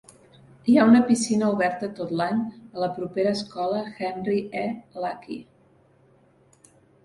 Hi ha una piscina oberta tot l'any a la propera escola Henry E. Lackey.